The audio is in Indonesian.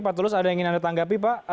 pak tulus ada yang ingin anda tanggapi pak